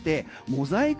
モザイク